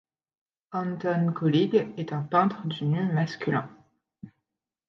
Anton Kolig est un peintre du nu masculin.